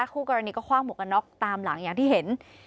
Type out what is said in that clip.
คู่กรณีก็คว่างหวกกันน็อกตามหลังอย่างที่เห็น